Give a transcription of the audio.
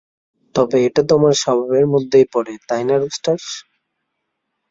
তবে এটা তোমার স্বভাবের মধ্যেই পড়ে, তাই না, রুস্টার।